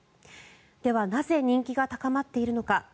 では、なぜ人気が高まっているのか。